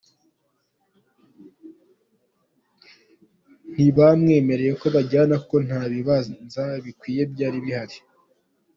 Ntibamwemereye ko bajana, kuko nta bibanza bikwiye vyari bihari.